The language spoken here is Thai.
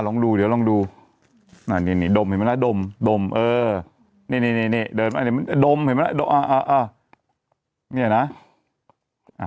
ลองดูเดี๋ยวลองดูนี่ดมเห็นไหมแน่นี่เดินมาดมเห็นไหมตรงนี้นะ